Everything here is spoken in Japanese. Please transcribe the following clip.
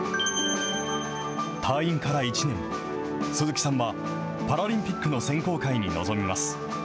退院から１年、鈴木さんは、パラリンピックの選考会に臨みます。